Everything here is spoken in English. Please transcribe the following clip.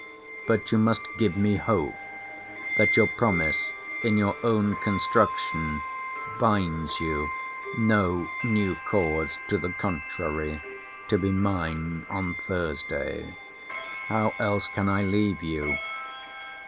But you must give me hope, that your promise, in your own construction, binds you, no new cause to the contrary, to be mine on Thursday. How else can I leave you?